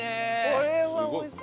これは美味しい。